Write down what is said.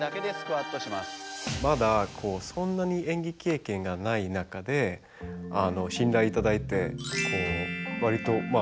まだそんなに演技経験がない中であの信頼いただいて割とまあ